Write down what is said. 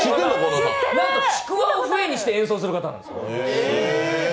ちくわを笛にして演奏する人なんですよ。